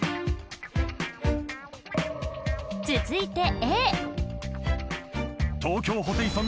続いてＡ